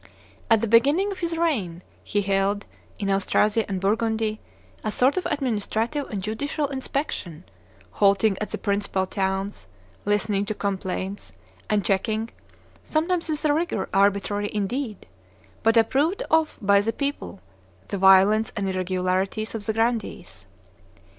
At the beginning of his reign he held, in Austrasia and Burgundy, a sort of administrative and judicial inspection, halting at the principal towns, listening to complaints, and checking, sometimes with a rigor arbitrary indeed, but approved of by the people, the violence and irregularities of the grandees.